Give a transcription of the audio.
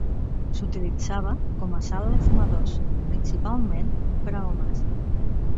S'utilitzava com a sala de fumadors, principalment per a homes.